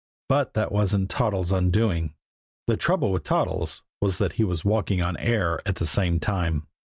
But that wasn't Toddles' undoing. The trouble with Toddles was that he was walking on air at the same time.